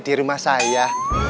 di rumah saya